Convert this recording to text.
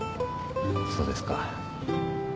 そうですか。